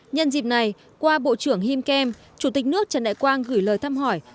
nhân dịp này qua bộ trưởng him kem chủ tịch nước trần đại quang gửi lời thăm hỏi